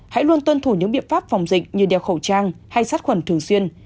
hãy luôn tuân thủ những biện pháp phòng dịch như đeo khẩu trang hay sát khuẩn thường xuyên